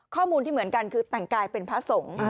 ข้อมูลที่เหมือนกันคือแต่งกายเป็นพระสงฆ์